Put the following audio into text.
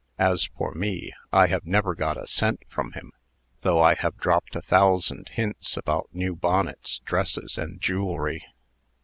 As for me, I have never got a cent from him, though I have dropped a thousand hints about new bonnets, dresses, and jewelry."